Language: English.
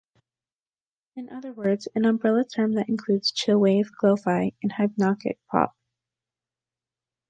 In other words, an umbrella term that includes chillwave, glo-fi, and hypnagogic pop.